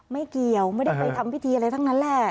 ไม่เกี่ยวไม่ได้ไปทำพิธีอะไรทั้งนั้นแหละ